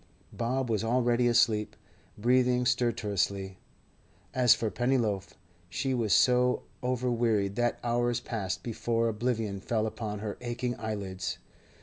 Bob was already asleep, breathing stertorously. As for Pennyloaf, she was so overwearied that hours passed before oblivion fell upon her aching eyelids.